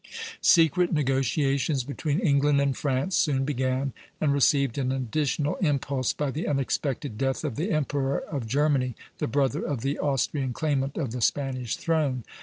Secret negotiations between England and France soon began, and received an additional impulse by the unexpected death of the Emperor of Germany, the brother of the Austrian claimant of the Spanish throne.